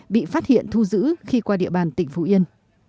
bị phát hiện thù dữ khi qua địa bàn tỉnh phú yên